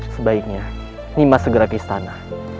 sebaiknya nimas segera ke istana